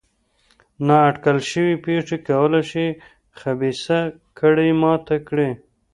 نا اټکل شوې پېښې کولای شي خبیثه کړۍ ماته کړي.